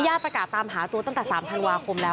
ประกาศตามหาตัวตั้งแต่๓ธันวาคมแล้ว